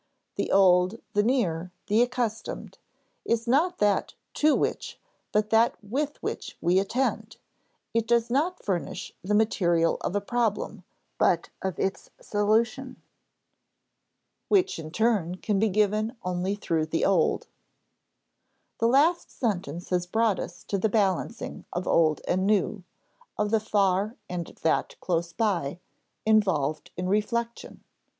The old, the near, the accustomed, is not that to which but that with which we attend; it does not furnish the material of a problem, but of its solution. [Sidenote: which, in turn, can be given only through the old] The last sentence has brought us to the balancing of new and old, of the far and that close by, involved in reflection.